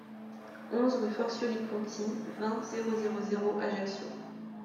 onze rue Forcioli-Conti, vingt, zéro zéro zéro, Ajaccio